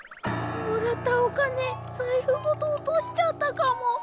もらったお金財布ごと落としちゃったかも。